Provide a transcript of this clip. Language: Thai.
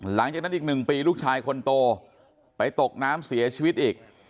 หลังจากนั้นอีก๑ปีลูกชายคนโตไปตกน้ำเสียชีวิตอีก